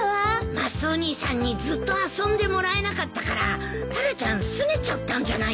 マスオ兄さんにずっと遊んでもらえなかったからタラちゃんすねちゃったんじゃないかな。